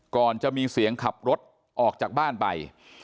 ก่อนจะมีเสียงขับรถออกจากบ้านไป